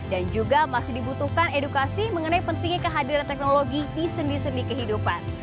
dan juga masih dibutuhkan edukasi mengenai pentingnya kehadiran teknologi di sendi sendi kehidupan